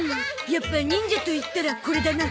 やっぱ忍者といったらこれだな。